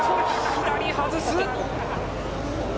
左外す。